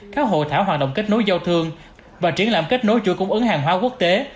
các hội thảo hoạt động kết nối giao thương và triển lãm kết nối chuỗi cung ứng hàng hóa quốc tế